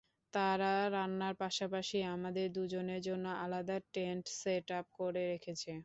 তারা রান্নার পাশাপাশি আমাদের দুজনের জন্য আলাদা টেন্ট সেটআপ করে রেখেছে।